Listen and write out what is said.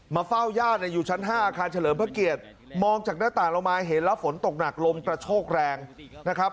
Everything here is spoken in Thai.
เฝ้าญาติอยู่ชั้น๕อาคารเฉลิมพระเกียรติมองจากหน้าต่างลงมาเห็นแล้วฝนตกหนักลมกระโชกแรงนะครับ